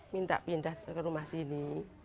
minta pindah ke rumah sini